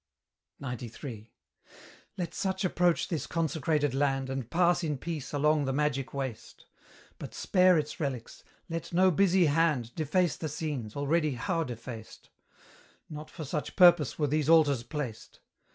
XCIII. Let such approach this consecrated land, And pass in peace along the magic waste: But spare its relics let no busy hand Deface the scenes, already how defaced! Not for such purpose were these altars placed.